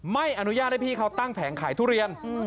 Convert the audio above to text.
ไม่อนุญาตให้พี่เขาตั้งแผงขายทุเรียน